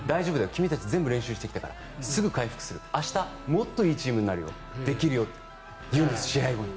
君たち、全部練習してきたからすぐに回復する明日もっといいチームになるできるよって言うんです試合後に。